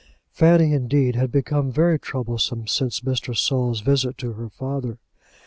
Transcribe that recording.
Fanny, indeed, had become very troublesome since Mr. Saul's visit to her father.